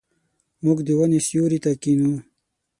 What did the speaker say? موږ د ونو سیوري ته کښینو.